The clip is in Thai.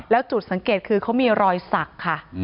แล้วจุดสังเกตคือเขามีรอยสักค่ะ